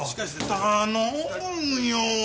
頼むよ！